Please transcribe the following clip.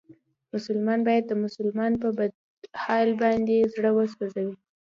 مسلمان باید د بل مسلمان په بد حال باندې زړه و سوځوي.